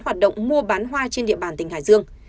hoạt động mua bán hoa trên địa bàn tỉnh hải dương